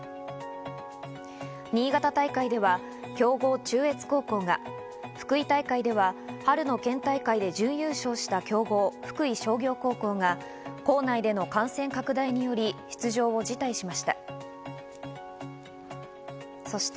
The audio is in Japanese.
新潟大会では強豪・中越高校が、福井大会では春の県大会で準優勝した強豪、福井商業高校が校内での感染拡大により出場を辞退しました。